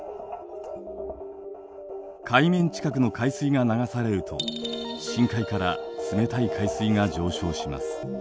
海面近くの海水が流されると深海から冷たい海水が上昇します。